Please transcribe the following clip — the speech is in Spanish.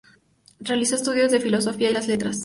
Realizó estudios de filosofía y de letras.